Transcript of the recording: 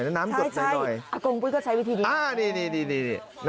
ใช่อากงบุ๊ยก็ใช้วิธีนี้